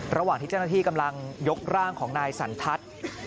ระหว่างที่เจ้าหน้าที่กำลังยกร่างของนายสันทัศน์